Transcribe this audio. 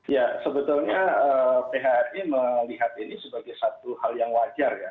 ya sebetulnya phri melihat ini sebagai satu hal yang wajar ya